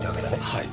はい。